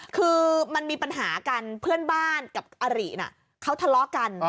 คือมันมีปัญหากันเพื่อนบ้านกับอริน่ะเขาทะเลาะกัน